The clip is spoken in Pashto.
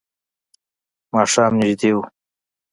ماښام نژدې و.